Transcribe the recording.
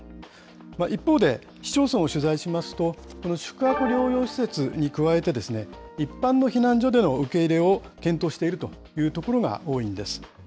一方で、市町村を取材しますと、この宿泊療養施設に加えて、一般の避難所での受け入れを検討しているという所が多いんです。